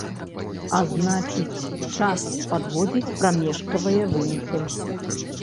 А значыць, час падводзіць прамежкавыя вынікі.